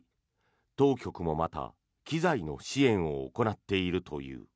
当局もまた機材の支援を行っているという。